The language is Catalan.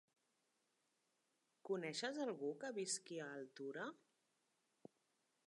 Coneixes algú que visqui a Altura?